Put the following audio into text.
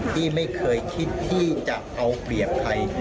ที่ไม่เคยคิดที่จะเอาเปรียบใคร